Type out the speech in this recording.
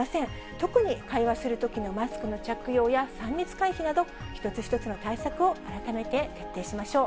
特に会話するときのマスクの着用や、３密回避など、一つ一つの対策を改めて徹底しましょう。